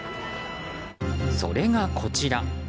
それがこちら。